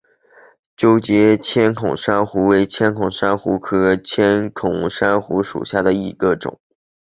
纠结千孔珊瑚为千孔珊瑚科千孔珊瑚属下的一个种。